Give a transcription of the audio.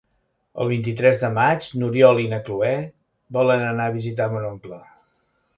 El vint-i-tres de maig n'Oriol i na Cloè volen anar a visitar mon oncle.